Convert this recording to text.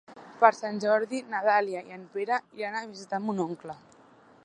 Per Sant Jordi na Dàlia i en Pere iran a visitar mon oncle.